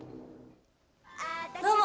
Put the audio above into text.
どうも！